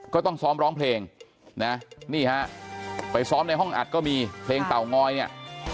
ก็ต้องซ้อมร้องเพลงนะนี่ฮะไปซ้อมในห้องอัดก็มีเพลงเต่างอยเนี่ย